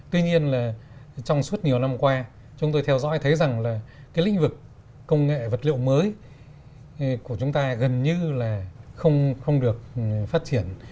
tuy nhiên là trong suốt nhiều năm qua chúng tôi theo dõi thấy rằng là cái lĩnh vực công nghệ vật liệu mới của chúng ta gần như là không được phát triển